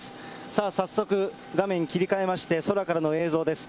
さあ、早速画面切り替えまして、空からの映像です。